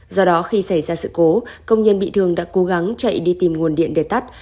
do đó khi xảy ra sự cố công nhân bị thương đã cố gắng chạy đi tìm nguồn điện để tắt